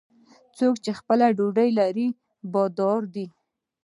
څوک چې خپله ډوډۍ لري، بادار دی.